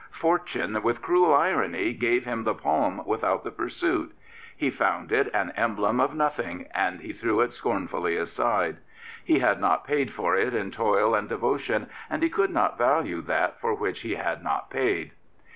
Fortune, with cruel irony, gave him the palm without the pursuit. He found it an emblem of nothing, and he threw it scornfully aside. He had not paid for it in toil and devotion, and he could not value that for which he had not paid.